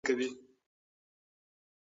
شرکتونه د ګټې اخیستنې لپاره سیالي کوي.